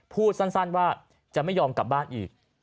พูดสั้นว่าจะไม่ยอมกลับบ้านอีก